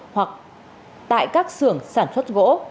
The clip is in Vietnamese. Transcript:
hoặc tại các xưởng sản xuất gỗ